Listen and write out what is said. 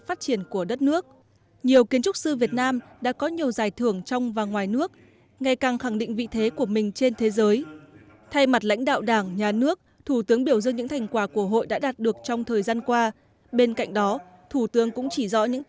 bên cạnh đó thủ tướng cũng chỉ dõi những tồn tại hạn chế của hội